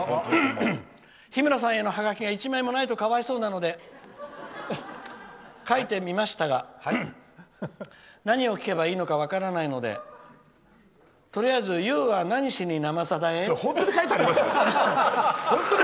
日村さんへのハガキが１枚もないとかわいそうなので書いてみましたが何を聞けばいいか分からないのでとりあえずユーは何しに「生さだ」へ？」。それ本当に書いてある？